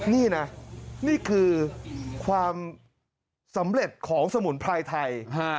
นี่นะนี่คือความสำเร็จของสมุนไพรไทย